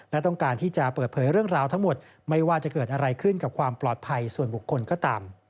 และต้องการที่จะเปิดเผยเรื่องราวทั้งหมดไม่ว่าจะเกิดอะไรขึ้นกับความปลอดภัยส่วนบุคคลก็ตาม